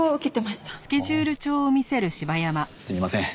すみません